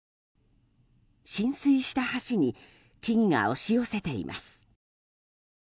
浸水した橋に木々が押し寄せています。